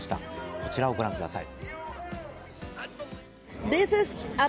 こちらをご覧ください。